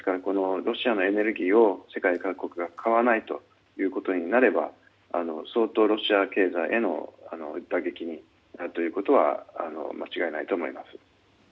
ロシアのエネルギーを世界各国が買わないということになれば相当ロシア経済への打撃になるということは間違いないと思います。